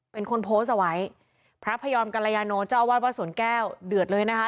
เป็นคนโพสต์เอาไว้พระพยอมกรยาโนเจ้าอาวาสวัดสวนแก้วเดือดเลยนะคะ